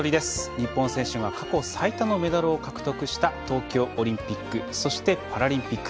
日本選手が過去最多のメダルを獲得した、東京オリンピックそしてパラリンピック。